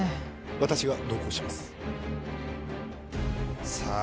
私が同行しますさあ